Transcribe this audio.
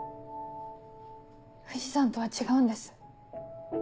藤さんとは違うんです。